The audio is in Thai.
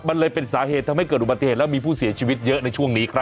มันเลยเป็นสาเหตุทำให้เกิดอุบัติเหตุแล้วมีผู้เสียชีวิตเยอะในช่วงนี้ครับ